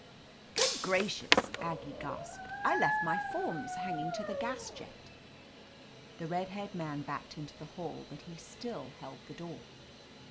"Good gracious !" Aggie gasped. "I left my forms hanging to the gas jet !" The red haired man backed into the hall, but he still held the door.